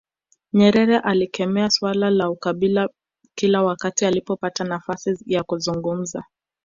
Nyerere alikemea suala la ukabila kila wakati alipopata nafasi ya kuzungumza